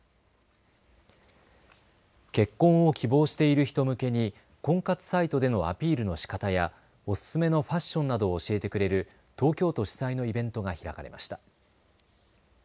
結婚を希望している人向けに婚活サイトでのアピールのしかたやおすすめのファッションなどを教えてくれる東京都主催のイベントが開かれました。